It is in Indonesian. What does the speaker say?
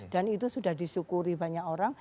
dan itu sudah disyukuri banyak orang